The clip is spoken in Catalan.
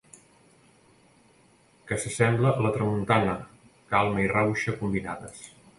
Que s’assembla a la tramuntana: calma i rauxa combinades.